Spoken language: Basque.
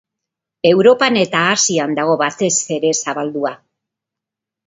Europan eta Asian dago batez ere zabaldua.